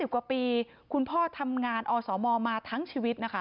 กว่าปีคุณพ่อทำงานอสมมาทั้งชีวิตนะคะ